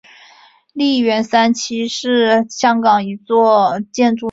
利园三期是香港一座建筑物。